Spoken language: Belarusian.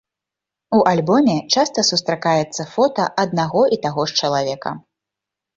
У альбоме часта сустракаецца фота аднаго і таго ж чалавека.